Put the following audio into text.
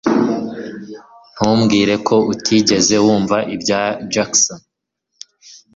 Ntumbwire ko utigeze wumva ibya Jackson.